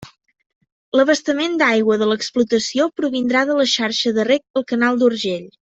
L'abastament d'aigua de l'explotació provindrà de la xarxa de reg del canal d'Urgell.